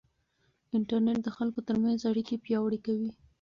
انټرنيټ د خلکو ترمنځ اړیکې پیاوړې کوي.